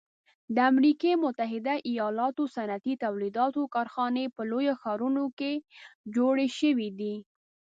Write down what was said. د امریکي متحده ایلاتو صنعتي تولیداتو کارخانې په لویو ښارونو کې جوړې شوي دي.